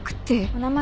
お名前